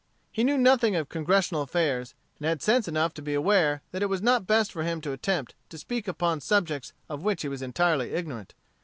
He knew nothing of Congressional affairs, and had sense enough to be aware that it was not best for him to attempt to speak upon subjects of which he was entirely ignorant.